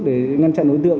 để ngăn chặn đối tượng